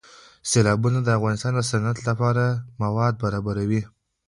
سیلابونه د افغانستان د صنعت لپاره مواد برابروي.